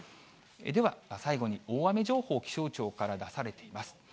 では、最後に大雨情報、気象庁から出されています。